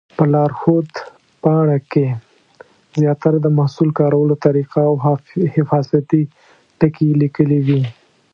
په لارښود پاڼه کې زیاتره د محصول کارولو طریقه او حفاظتي ټکي لیکلي وي.